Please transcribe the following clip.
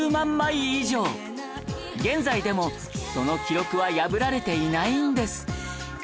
現在でもその記録は破られていないんです